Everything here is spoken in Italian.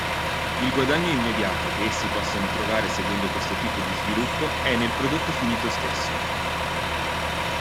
Il guadagno immediato che essi possono trovare seguendo questo tipo di sviluppo è nel prodotto finito stesso.